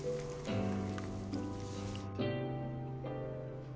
うん。